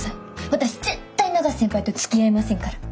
私絶対永瀬先輩とつきあいませんから。